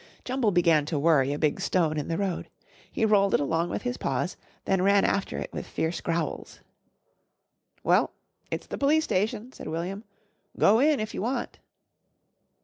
Jumble began to worry a big stone in the road. He rolled it along with his paws, then ran after it with fierce growls. "Well, it's the Police Station," said William. "Go in if you want."